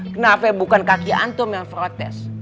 kenapa bukan kaki antum yang protes